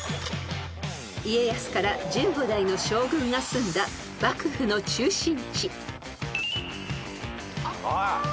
［家康から１５代の将軍が住んだ幕府の中心地］ああ。